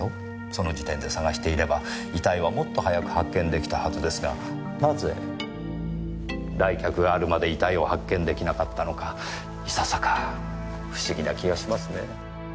その時点で捜していれば遺体はもっと早く発見できたはずですがなぜ来客があるまで遺体を発見できなかったのかいささか不思議な気がしますねぇ。